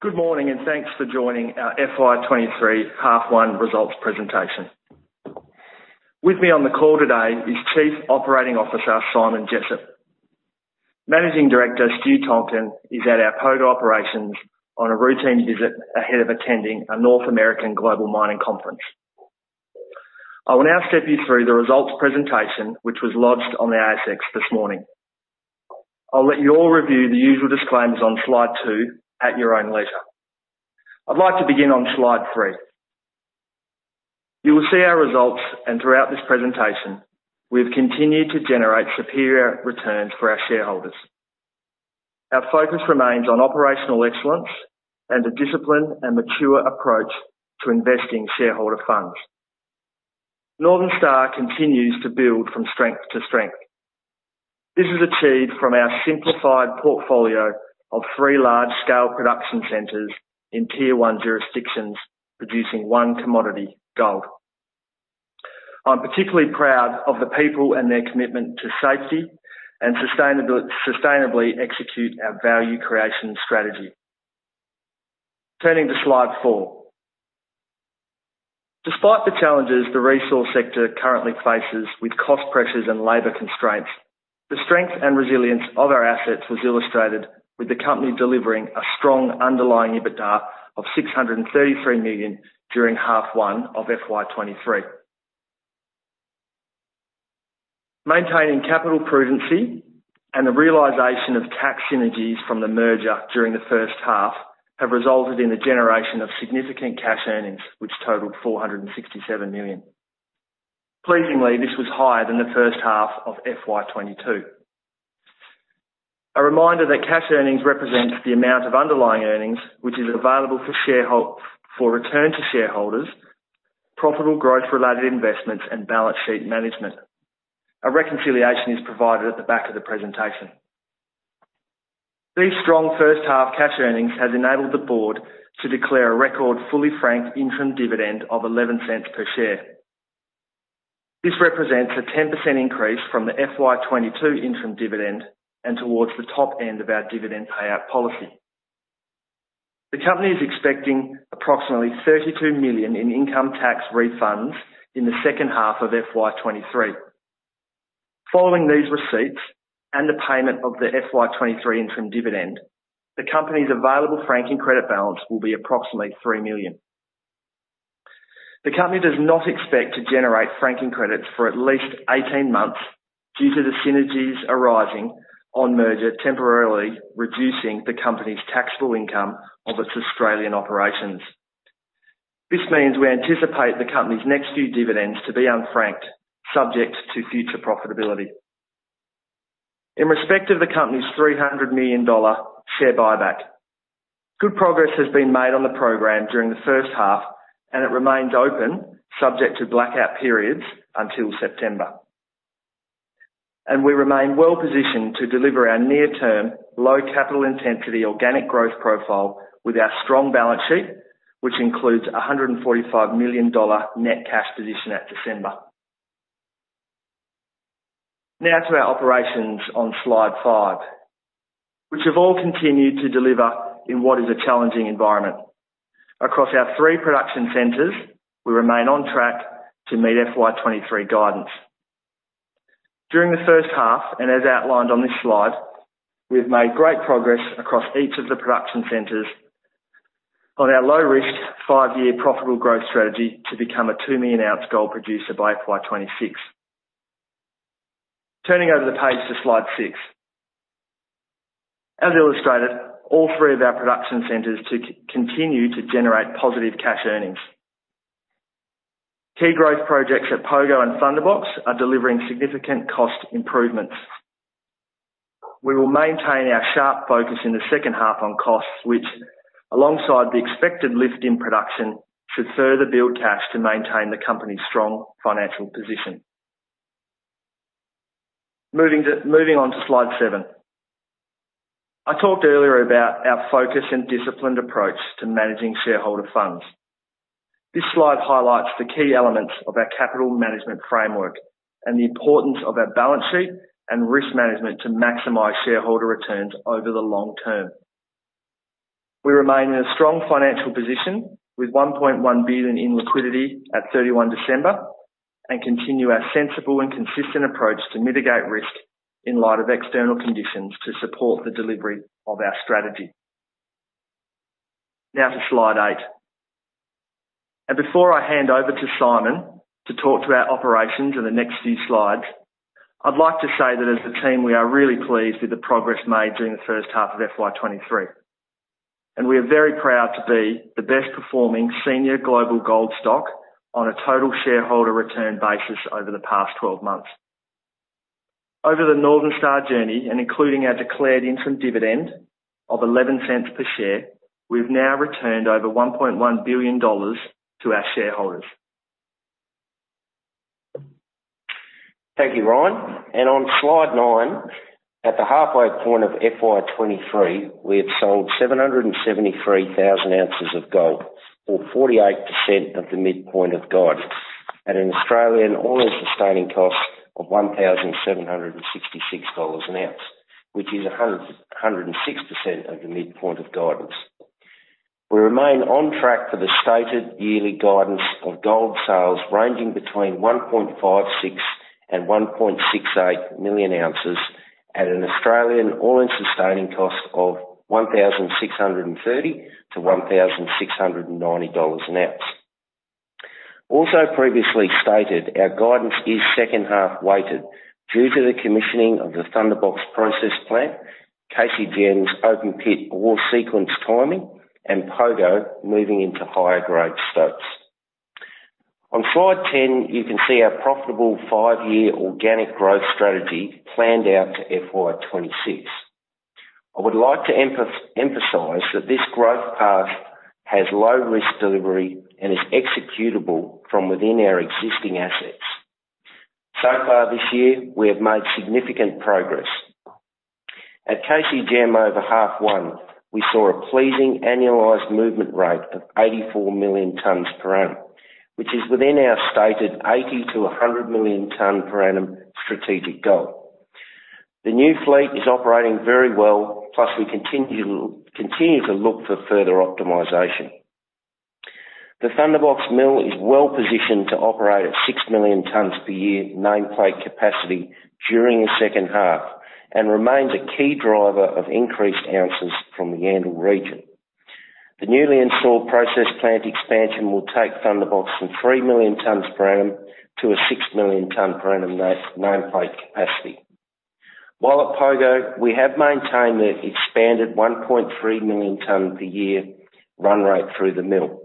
Good morning, and thanks for joining our FY23 H1 results presentation. With me on the call today is Chief Operating Officer, Simon Jessop. Managing Director, Stu Tonkin, is at our Pogo operations on a routine visit ahead of attending a North American global mining conference. I will now step you through the results presentation, which was lodged on the ASX this morning. I'll let you all review the usual disclaimers on slide 2 at your own leisure. I'd like to begin on slide 3. You will see our results, and throughout this presentation, we've continued to generate superior returns for our shareholders. Our focus remains on operational excellence and a disciplined and mature approach to investing shareholder funds. Northern Star continues to build from strength to strength. This is achieved from our simplified portfolio of 3 large-scale production centers in tier 1 jurisdictions, producing 1 commodity, gold. I'm particularly proud of the people and their commitment to safety and sustainably execute our value creation strategy. Turning to slide 4. Despite the challenges the resource sector currently faces with cost pressures and labor constraints, the strength and resilience of our assets was illustrated with the company delivering a strong underlying EBITDA of 633 million during H1 of FY23. Maintaining capital prudency and the realization of tax synergies from the merger during H1 have resulted in the generation of significant cash earnings, which totaled 467 million. Pleasingly, this was higher than H1 of FY22. A reminder that cash earnings represents the amount of underlying earnings which is available for return to shareholders, profitable growth-related investments, and balance sheet management. A reconciliation is provided at the back of the presentation. These strong H1 cash earnings has enabled the board to declare a record fully franked interim dividend of 0.11 per share. This represents a 10% increase from the FY22 interim dividend and towards the top end of our dividend payout policy. The company is expecting approximately 32 million in income tax refunds in the H2 of FY23. Following these receipts and the payment of the FY23 interim dividend, the company's available franking credit balance will be approximately 3 million. The company does not expect to generate franking credits for at least 18 months due to the synergies arising on merger temporarily reducing the company's taxable income of its Australian operations. This means we anticipate the company's next few dividends to be unfranked, subject to future profitability. In respect of the company's 300 million dollar share buyback, good progress has been made on the program during the H1, it remains open subject to blackout periods until September. We remain well-positioned to deliver our near-term low capital intensity organic growth profile with our strong balance sheet, which includes an 145 million dollar net cash position at December. To our operations on slide 5, which have all continued to deliver in what is a challenging environment. Across our 3 production centers, we remain on track to meet FY23 guidance. During the H1, as outlined on this slide, we've made great progress across each of the production centers on our low risk, 5-year profitable growth strategy to become a 2 million ounce gold producer by FY26. Turning over the page to slide 6. As illustrated, all 3 of our production centers continue to generate positive cash earnings. Key growth projects at Pogo and Thunderbox are delivering significant cost improvements. We will maintain our sharp focus in the H2 on costs, which alongside the expected lift in production, should further build cash to maintain the company's strong financial position. Moving on to slide 7. I talked earlier about our focus and disciplined approach to managing shareholder funds. This slide highlights the key elements of our capital management framework and the importance of our balance sheet and risk management to maximize shareholder returns over the long term. We remain in a strong financial position with 1.1 billion in liquidity at 31 December and continue our sensible and consistent approach to mitigate risk in light of external conditions to support the delivery of our strategy. To slide 8. Before I hand over to Simon to talk to our operations in the next few slides, I'd like to say that as the team we are really pleased with the progress made during the H1 of FY23. We are very proud to be the best performing senior global gold stock on a total shareholder return basis over the past 12 months. Over the Northern Star journey and including our declared interim dividend of 0.11 per share, we've now returned over 1.1 billion dollars to our shareholders. Thank you, Ryan. On slide 9, at the halfway point of FY23, we have sold 773,000 ounces of gold or 48% of the midpoint of guide. At an Australian all-in sustaining cost of 1,766 dollars an ounce, which is 106% of the midpoint of guidance. We remain on track for the stated yearly guidance of gold sales ranging between 1.56 million and 1.68 million ounces at an Australian all-in sustaining cost of AUD 1,630-AUD 1,690 an ounce. Previously stated, our guidance is H2-weighted due to the commissioning of the Thunderbox process plant, KCGM's open pit ore sequence timing, and Pogo moving into higher grade stopes. On slide 10, you can see our profitable 5-year organic growth strategy planned out to FY26. I would like to emphasize that this growth path has low-risk delivery and is executable from within our existing assets. Far this year, we have made significant progress. At KCGM over H1, we saw a pleasing annualized movement rate of 84 million tons per annum, which is within our stated 80 to 100 million ton per annum strategic goal. The new fleet is operating very well, plus we continue to look for further optimization. The Thunderbox mill is well-positioned to operate at 6 million tons per year nameplate capacity during the H2, and remains a key driver of increased ounces from the Yandal region. The newly installed process plant expansion will take Thunderbox from 3 million tons per annum to a 6 million ton per annum nameplate capacity. While at Pogo, we have maintained the expanded 1.3 million ton per year run rate through the mill.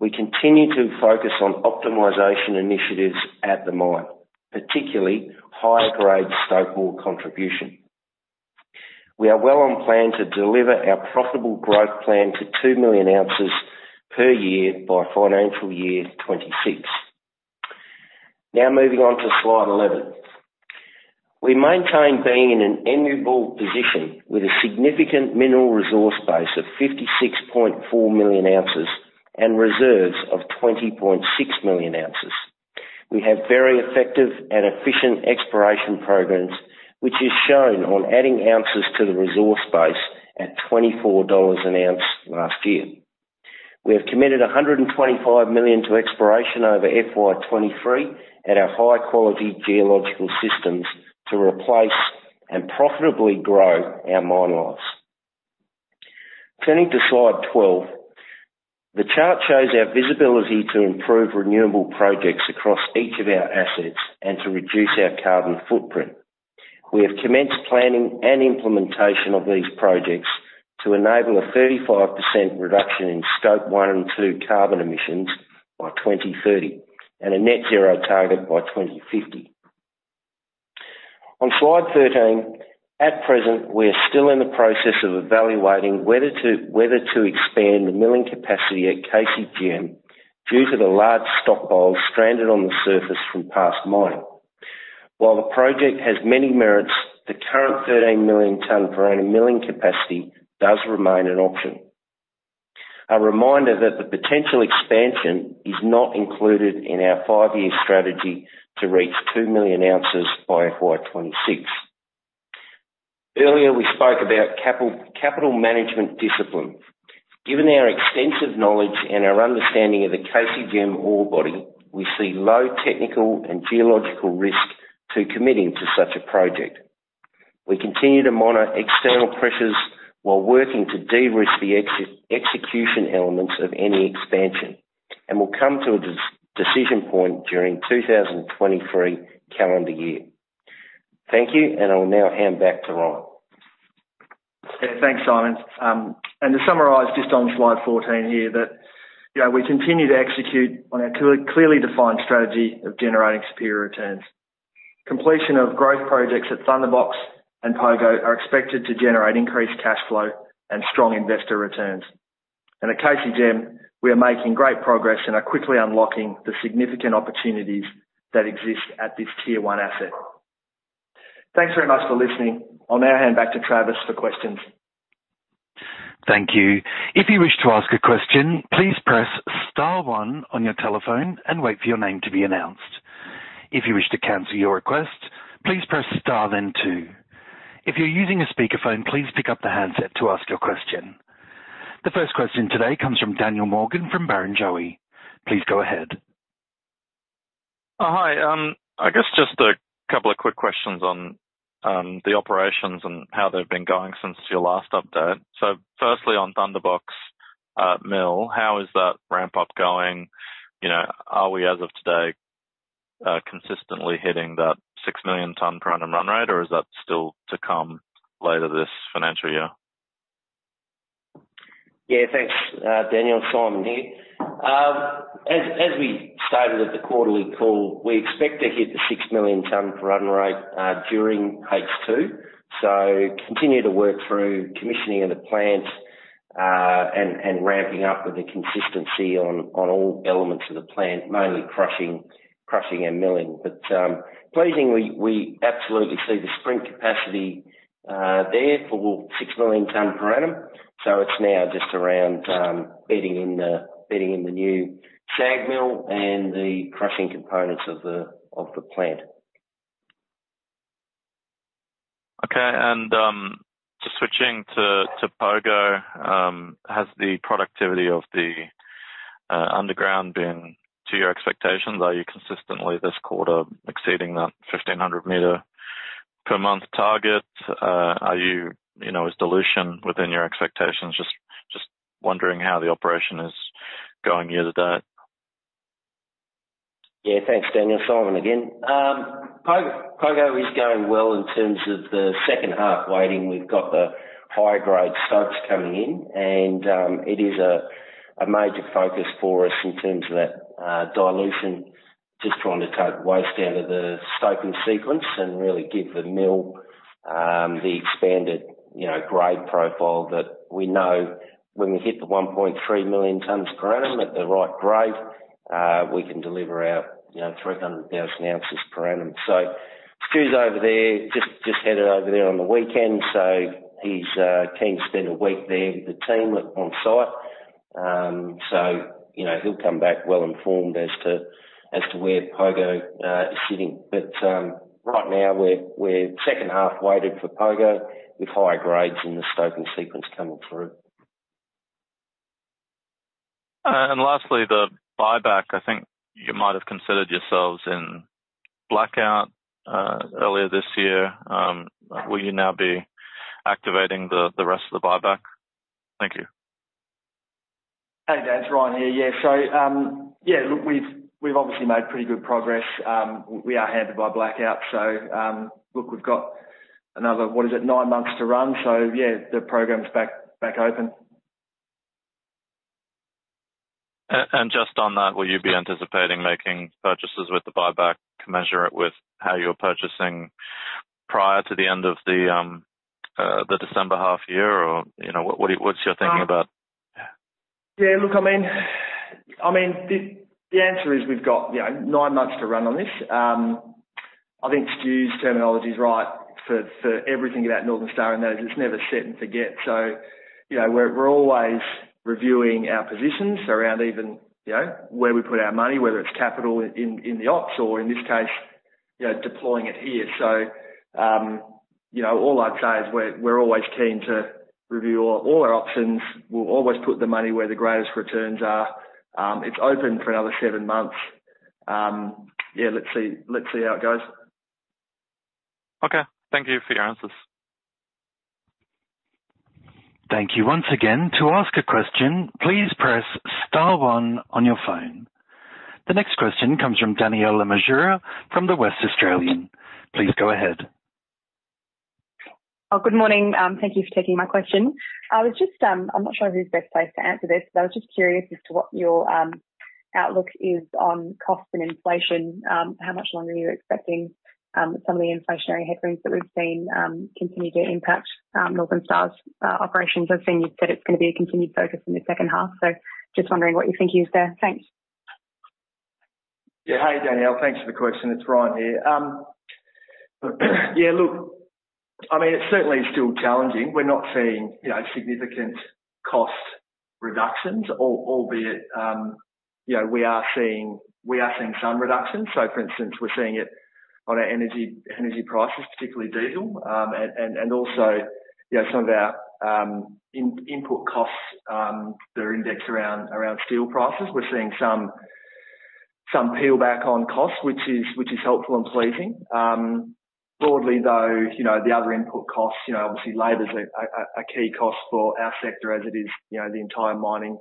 We continue to focus on optimization initiatives at the mine, particularly higher grade stope ore contribution. We are well on plan to deliver our profitable growth plan to 2 million ounces per year by financial year 2026. Moving on to slide 11. We maintain being in an enviable position with a significant mineral resource base of 56.4 million ounces and reserves of 20.6 million ounces. We have very effective and efficient exploration programs, which is shown on adding ounces to the resource base at 24 dollars an ounce last year. We have committed 125 million to exploration over FY23 at our high-quality geological systems to replace and profitably grow our mine lives. Turning to slide 12. The chart shows our visibility to improve renewable projects across each of our assets and to reduce our carbon footprint. We have commenced planning and implementation of these projects to enable a 35% reduction in Scope 1 and 2 carbon emissions by 2030 and a net zero target by 2050. On slide 13. At present, we are still in the process of evaluating whether to expand the milling capacity at KCGM due to the large stockpiles stranded on the surface from past mining. While the project has many merits, the current 13 million ton per annum milling capacity does remain an option. A reminder that the potential expansion is not included in our 5-year strategy to reach 2 million ounces by FY26. Earlier, we spoke about capital management discipline. Given our extensive knowledge and our understanding of the KCGM ore body, we see low technical and geological risk to committing to such a project. We continue to monitor external pressures while working to de-risk the execution elements of any expansion and will come to a decision point during 2023 calendar year. Thank you. I'll now hand back to Ryan. Thanks, Simon. To summarize just on slide 14 here that, you know, we continue to execute on our clear, clearly defined strategy of generating superior returns. Completion of growth projects at Thunderbox and Pogo are expected to generate increased cash flow and strong investor returns. At KCGM, we are making great progress and are quickly unlocking the significant opportunities that exist at this tier 1 asset. Thanks very much for listening. I'll now hand back to Travis for questions. Thank you. If you wish to ask a question, please press * 1 on your telephone and wait for your name to be announced. If you wish to cancel your request, please press * then, 2. If you're using a speakerphone, please pick up the handset to ask your question. The 1st question today comes from Daniel Morgan from Barrenjoey. Please go ahead. Hi. I guess just a couple of quick questions on the operations and how they've been going since your last update. Firstly, on Thunderbox mill, how is that ramp up going? You know, are we, as of today, consistently hitting that 6 million ton per annum run rate, or is that still to come later this financial year? Thanks, Daniel. Simon here. As we stated at the quarterly call, we expect to hit the 6 million ton per annum rate during H2. Continue to work through commissioning of the plant and ramping up with the consistency on all elements of the plant, mainly crushing and milling. Pleasingly, we absolutely see the sprint capacity there for 6 million ton per annum. It's now just around, bedding in the new SAG mill and the crushing components of the plant. Okay. Just switching to Pogo, has the productivity of the underground been to your expectations? Are you consistently this quarter exceeding that 1,500 meters per month target? Are you know, is dilution within your expectations? Just wondering how the operation is going year to date. Thanks, Daniel. Simon again. Pogo is going well in terms of the H2 waiting. We've got the higher grade stopes coming in, it is a major focus for us in terms of that dilution, just trying to take waste out of the stope and sequence and really give the mill the expanded, you know, grade profile that we know when we hit the 1.3 million tons per annum at the right grade, we can deliver our, you know, 300,000 ounces per annum. Stu's over there, just headed over there on the weekend. He's keen to spend a week there with the team on site. You know, he'll come back well informed as to where Pogo is sitting. Right now we're H2 weighted for Pogo with higher grades in the stope and sequence coming through. Lastly, the buyback. I think you might have considered yourselves in blackout earlier this year. Will you now be activating the rest of the buyback? Thank you. Hey, Dan, it's Ryan here. look, we've obviously made pretty good progress. We are handed by blackout. look, we've got another, what is it? 9 months to run. the program's back open. Just on that, will you be anticipating making purchases with the buyback to measure it with how you're purchasing prior to the end of the December half year? Or, you know, what's your thinking about? Look, I mean, the answer is we've got, you know, 9 months to run on this. I think Stu's terminology is right for everything about Northern Star, and that is it's never set and forget. You know, we're always reviewing our positions around even, you know, where we put our money, whether it's capital in the ops or in this case, you know, deploying it here. You know, all I'd say is we're always keen to review all our options. We'll always put the money where the greatest returns are. It's open for another 7 months. Let's see. Let's see how it goes. Okay. Thank you for your answers. Thank you once again. To ask a question, please press * 1 on your phone. The next question comes from Danielle Le Messurier from The West Australian. Please go ahead. Good morning. Thank you for taking my question. I was just, I'm not sure who's best placed to answer this, but I was just curious as to what your outlook is on cost and inflation. How much longer are you expecting some of the inflationary headwinds that we've seen continue to impact Northern Star's operations? I've seen you've said it's gonna be a continued focus in the H2, just wondering what you're thinking is there. Thanks. Hey, Danielle. Thanks for the question. It's Ryan here. I mean, it's certainly still challenging. We're not seeing, you know, significant cost reductions albeit, you know, we are seeing some reductions. For instance, we're seeing it on our energy prices, particularly diesel. And also, you know, some of our input costs that are indexed around steel prices. We're seeing some peel back on costs which is helpful and pleasing. Broadly though, you know, the other input costs, you know, obviously labor is a key cost for our sector as it is, you know, the entire mining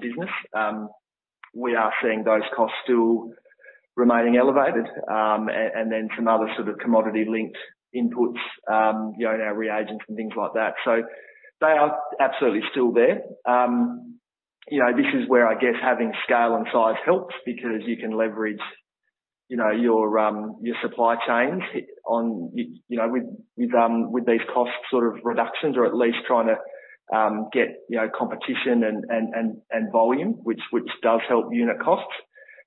business. We are seeing those costs still remaining elevated. And then some other sort of commodity linked inputs, you know, our reagents and things like that. They are absolutely still there. You know, this is where, I guess, having scale and size helps because you can leverage, you know, your supply chains on, you know, with these cost sort of reductions or at least trying to get, you know, competition and, and volume which does help unit costs.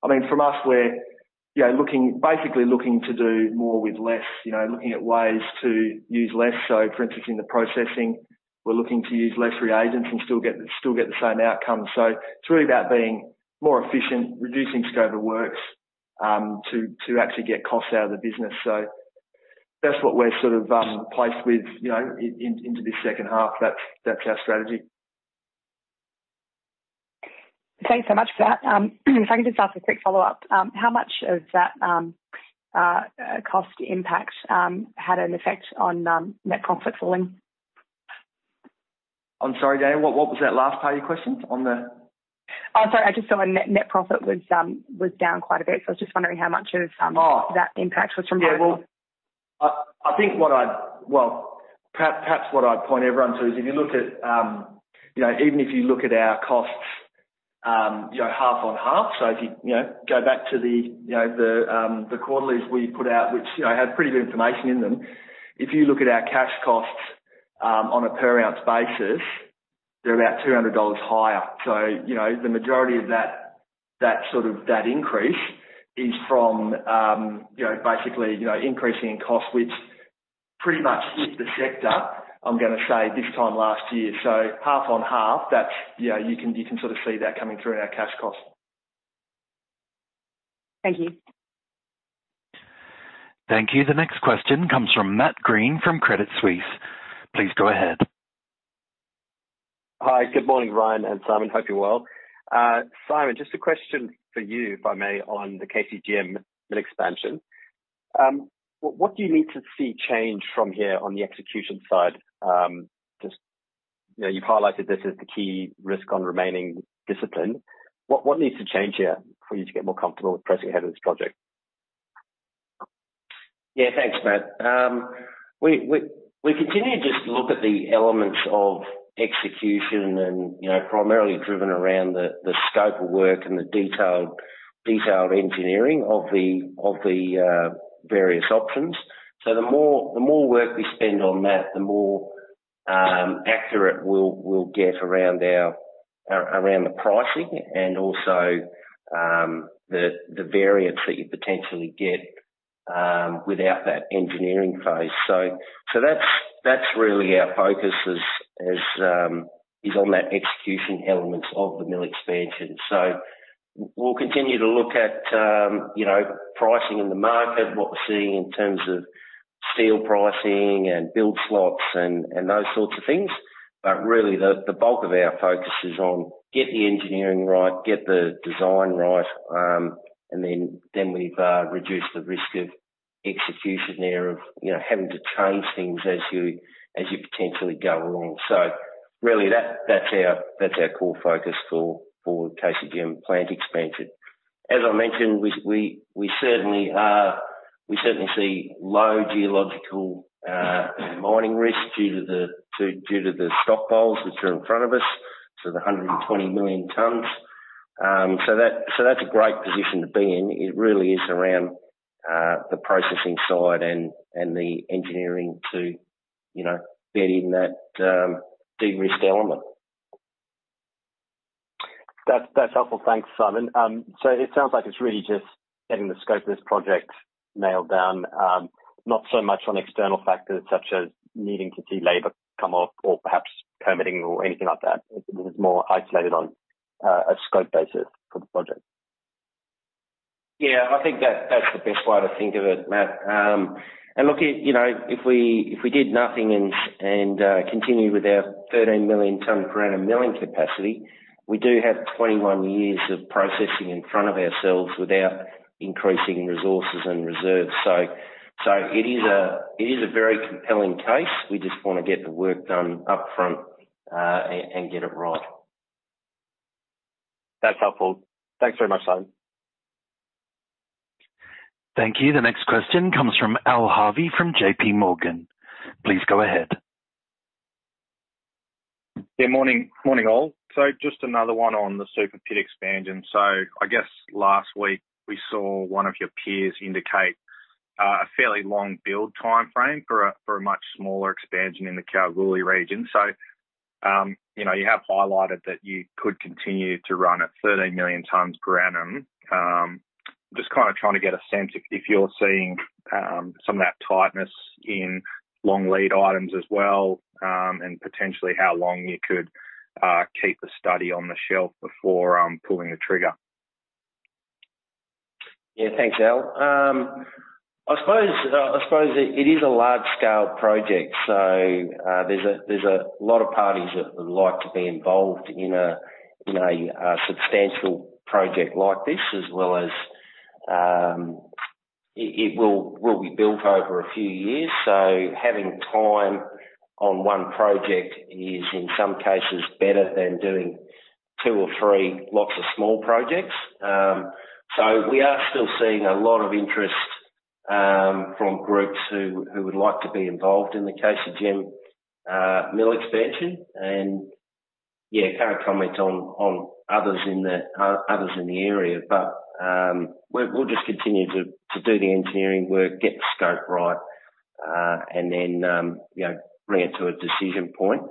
I mean, from us, we're, you know, basically looking to do more with less, you know, looking at ways to use less. For instance, in the processing, we're looking to use less reagents and still get the same outcome. It's really about being more efficient, reducing scope of works to actually get costs out of the business. That's what we're sort of placed with, you know, into this H2. That's our strategy. Thanks so much for that. If I can just ask a quick follow-up. How much of that cost impact had an effect on net profit falling? I'm sorry, Danielle, what was that last part of your question? On the- Oh, sorry. I just saw our net profit was down quite a bit, so I was just wondering how much of. Oh. that impact was from buyback. I think perhaps what I'd point everyone to is if you look at even if you look at our costs 50/50. If you go back to the quarterlies we put out, which had pretty good information in them. If you look at our cash costs on a per ounce basis, they're about 200 dollars higher. The majority of that sort of increase is from basically increasing in cost, which pretty much hit the sector, I'm going to say this time last year. 50/50, that's you can sort of see that coming through in our cash costs. Thank you. Thank you. The next question comes from Matthew Green from Credit Suisse. Please go ahead. Hi, good morning, Ryan and Simon. Hope you're well. Simon, just a question for you, if I may, on the KCGM expansion. What do you need to see change from here on the execution side? Just, you know, you've highlighted this as the key risk on remaining discipline. What needs to change here for you to get more comfortable with pressing ahead of this project? Thanks, Matthew Green. We continue to just look at the elements of execution and, you know, primarily driven around the scope of work and the detailed engineering of the various options. The more work we spend on that, the more accurate we'll get around our around the pricing and also the variance that you potentially get without that engineering phase. That's really our focus as is on that execution elements of the mill expansion. We'll continue to look at, you know, pricing in the market, what we're seeing in terms of steel pricing and build slots and those sorts of things. Really the bulk of our focus is on get the engineering right, get the design right, and then we've reduced the risk of execution there of, you know, having to change things as you potentially go along. Really that's our core focus for KCGM plant expansion. As I mentioned, we certainly see low geological mining risk due to the stock poles which are in front of us, so the 120 million tons. That's a great position to be in. It really is around the processing side and the engineering to, you know, getting that de-risked element. That's helpful. Thanks, Simon. It sounds like it's really just getting the scope of this project nailed down, not so much on external factors such as needing to see labor come off or perhaps permitting or anything like that. It's more isolated on a scope basis for the project. I think that's the best way to think of it, Matt. Look at, you know, if we, if we did nothing and continued with our 13 million ton per annum milling capacity, we do have 21 years of processing in front of ourselves without increasing resources and reserves. It is a very compelling case. We just wanna get the work done upfront and get it right. That's helpful. Thanks very much, Simon. Thank you. The next question comes from Alistair Harvey from JP Morgan. Please go ahead. Morning, morning, all. Just another 1 on the super pit expansion. I guess last week we saw 1 of your peers indicate a fairly long build timeframe for a much smaller expansion in the Kalgoorlie region. You know, you have highlighted that you could continue to run at 13 million tons per annum. Just kinda trying to get a sense if you're seeing some of that tightness in long lead items as well, and potentially how long you could keep the study on the shelf before pulling the trigger. Thanks, Al. I suppose it is a large-scale project. There's a lot of parties that would like to be involved in a substantial project like this, as well as it will be built over a few years. Having time on 1 project is in some cases better than doing 2 or 3 lots of small projects. We are still seeing a lot of interest from groups who would like to be involved in the KCGM mill expansion. Can't comment on others in the area. We'll just continue to do the engineering work, get the scope right, and then, you know, bring it to a decision point.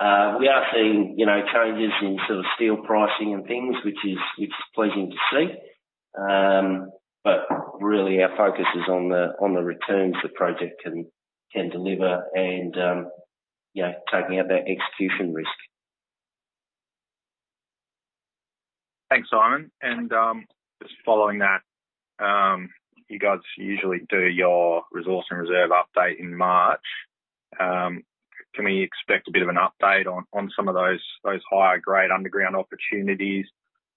We are seeing, you know, changes in sort of steel pricing and things, which is pleasing to see. Really our focus is on the returns the project can deliver and, you know, taking out that execution risk. Thanks, Simon. Just following that, you guys usually do your mineral resource and reserves update in March. Can we expect a bit of an update on some of those higher grade underground opportunities?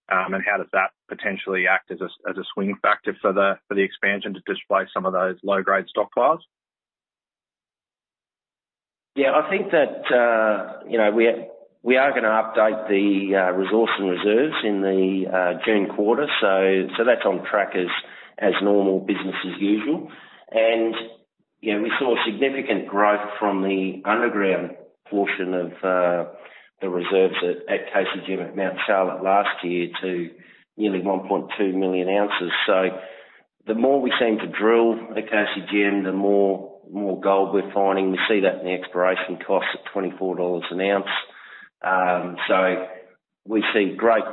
And how does that potentially act as a swing factor for the expansion to displace some of those low grade stockpiles? I think that, you know, we are gonna update the resource and reserves in the June quarter. That's on track as normal business as usual. You know, we saw significant growth from the underground portion of the reserves at KCGM at Mount Charlotte last year to nearly 1.2 million ounces. The more we seem to drill at KCGM, the more gold we're finding. We see that in the exploration costs at 24 dollars an ounce. We see great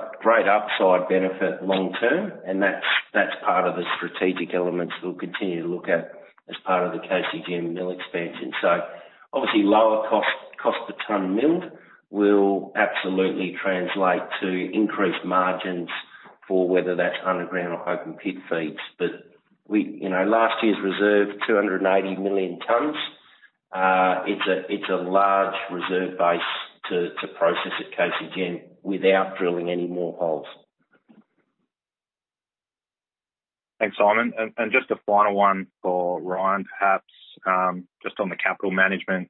upside benefit long term, and that's part of the strategic elements we'll continue to look at as part of the KCGM mill expansion. Obviously lower cost per ton milled will absolutely translate to increased margins for whether that's underground or open pit feeds. You know, last year's reserve, 280 million tons. It's a large reserve base to process at KCGM without drilling any more holes. Thanks, Simon. Just a final 1 for Ryan, perhaps, just on the capital management.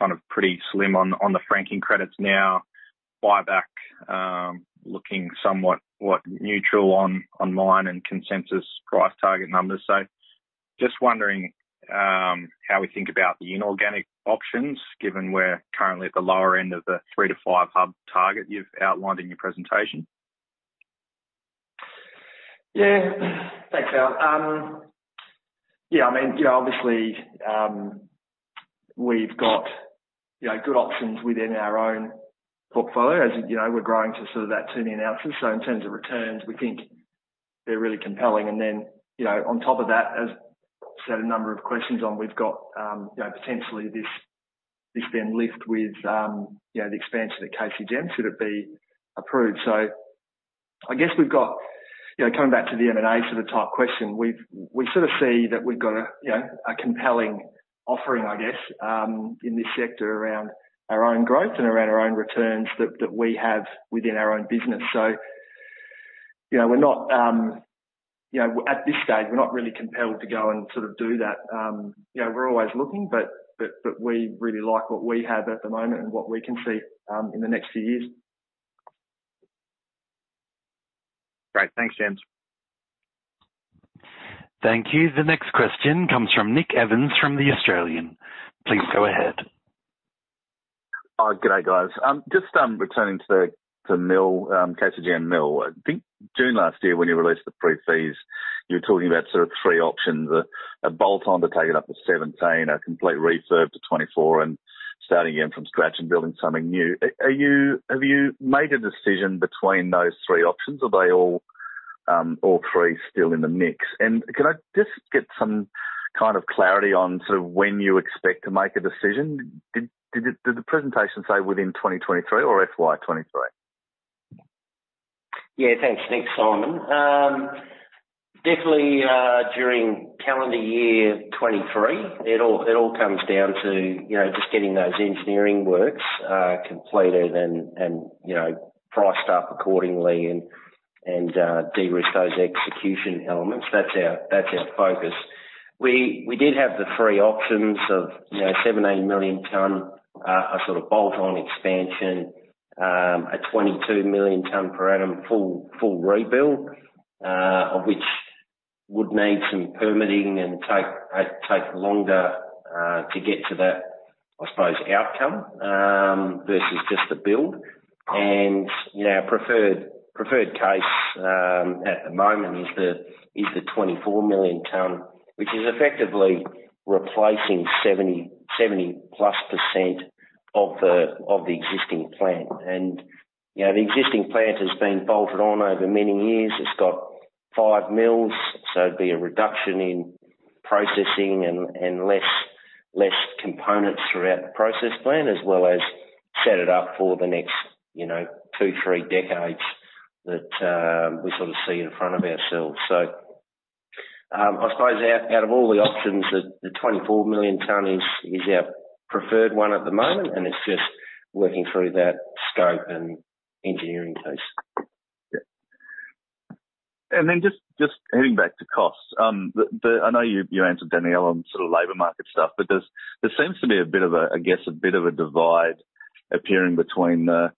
Kind of pretty slim on the franking credits now. Buyback looking somewhat neutral on online and consensus price target numbers. Just wondering how we think about the inorganic options, given we're currently at the lower end of the 3 to 5-hub target you've outlined in your presentation. Thanks, Al. I mean, you know, obviously, we've got, you know, good options within our own portfolio. As you know, we're growing to sort of that 20 million ounces. In terms of returns, we think they're really compelling. You know, on top of that, as said a number of questions on, we've got, you know, potentially this then lift with, you know, the expansion at KCGM should it be approved. I guess we've got, you know, coming back to the M&A sort of type question. We sort of see that we've got a, you know, a compelling offering, I guess, in this sector around our own growth and around our own returns that we have within our own business. You know, we're not, you know, at this stage, we're not really compelled to go and sort of do that. You know, we're always looking, but we really like what we have at the moment and what we can see in the next few years. Great. Thanks, James. Thank you. The next question comes from Nick Evans from The Australian. Please go ahead. G'day, guys. Just returning to the mill, KCGM mill. I think June last year when you released the pre-fees, you were talking about sort of 3 options. A bolt-on to take it up to 17, a complete reserve to 24, and starting again from scratch and building something new. Have you made a decision between those 3 options? Are they all 3 still in the mix? Can I just get some kind of clarity on to when you expect to make a decision? Did the presentation say within 2023 or FY23? Thanks. Thanks, Simon. Definitely, during calendar year 2023, it all comes down to, you know, just getting those engineering works completed and, you know, priced up accordingly and de-risk those execution elements. That's our focus. We did have the 3 options of, you know, 17 million ton a sort of bolt-on expansion. A 22 million ton per annum full rebuild of which would need some permitting and take longer to get to that, I suppose, outcome versus just the build. You know, our preferred case at the moment is the 24 million ton, which is effectively replacing 70+% of the existing plant. You know, the existing plant has been bolted on over many years. It's got 5 mills, it'd be a reduction in processing and less components throughout the process plan, as well as set it up for the next, you know, 2, 3 decades that we sort of see in front of ourselves. I suppose out of all the options, the 24 million ton is our preferred 1 at the moment, and it's just working through that scope and engineering phase. Just heading back to costs. I know you answered Danielle on sort of labor market stuff, but there's, there seems to be a bit of a, I guess, a bit of a divide appearing between the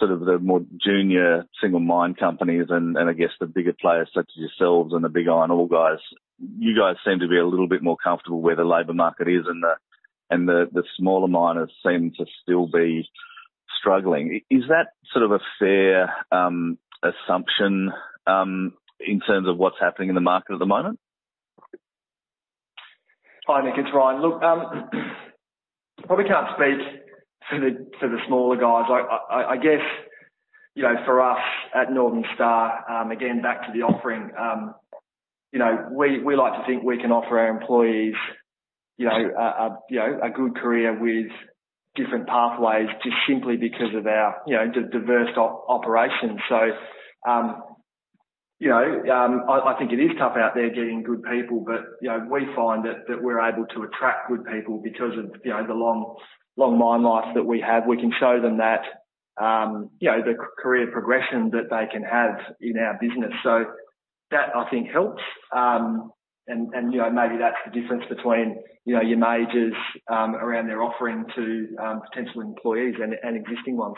sort of the more junior single mine companies and I guess the bigger players such as yourselves and the big iron ore guys. You guys seem to be a little bit more comfortable where the labor market is, and the smaller miners seem to still be struggling. Is that sort of a fair assumption in terms of what's happening in the market at the moment? Hi, Nick. It's Ryan. Look, probably can't speak for the, for the smaller guys. I guess, you know, for us at Northern Star, again, back to the offering, you know, we like to think we can offer our employees, you know, a good career with different pathways just simply because of our, you know, diverse operation. You know, I think it is tough out there getting good people, but, you know, we find that we're able to attract good people because of, you know, the long mine life that we have. We can show them that, you know, the career progression that they can have in our business. That I think helps. You know, maybe that's the difference between, you know, your majors, around their offering to potential employees and existing ones.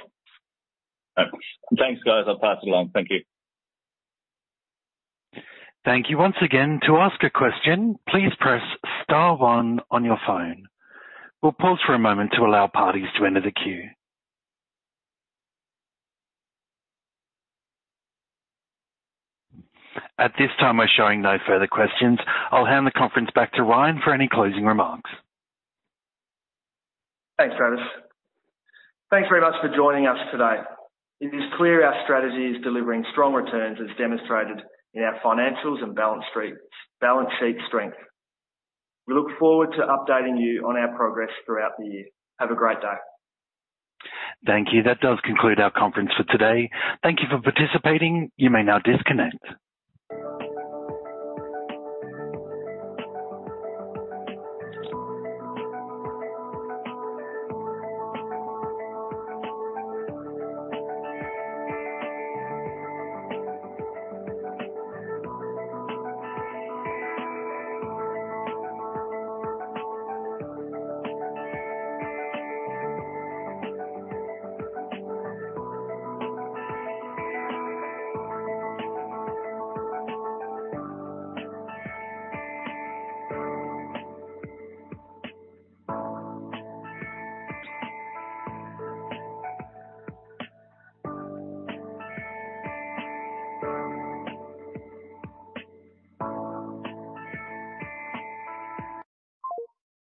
Thanks, guys. I'll pass it along. Thank you. Thank you once again. To ask a question, please press * 1 on your phone. We'll pause for a moment to allow parties to enter the queue. At this time, we're showing no further questions. I'll hand the conference back to Ryan for any closing remarks. Thanks, Travis. Thanks very much for joining us today. It is clear our strategy is delivering strong returns as demonstrated in our financials and balance sheet strength. We look forward to updating you on our progress throughout the year. Have a great day. Thank you. That does conclude our conference for today. Thank you for participating. You may now disconnect.